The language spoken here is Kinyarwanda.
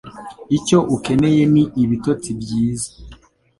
Icyo ukeneye ni ibitotsi byiza.